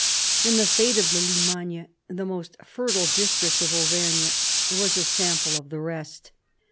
And the fate of the Limagne — the most fertile district of Auvergne— was a sample of the rest.